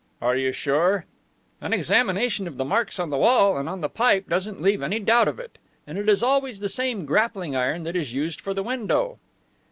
"Are you sure?" "An examination of the marks on the wall and on the pipe doesn't leave any doubt of it, and it is always the same grappling iron that is used for the window."